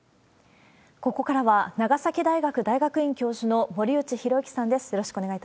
ここからは、長崎大学大学院教授の森内浩幸さんです。